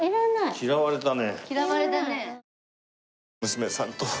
嫌われたね。